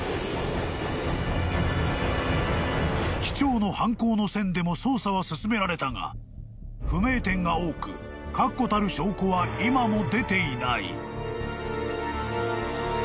［機長の犯行の線でも捜査は進められたが不明点が多く確固たる証拠は今も出ていない］